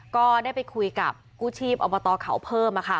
ก็ได้ไปคุยกับกู้ชีพอัมท์ของเขาเพิ่มนะคะ